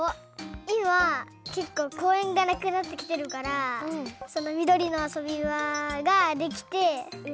いまけっこうこうえんがなくなってきてるからそのみどりのあそびばができてうんどうしたりやきゅうしたい。